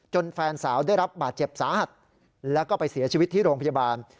แฟนสาวได้รับบาดเจ็บสาหัสแล้วก็ไปเสียชีวิตที่โรงพยาบาล